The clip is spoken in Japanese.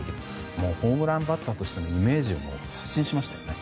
ホームランバッターとしてのイメージを刷新しましたよね。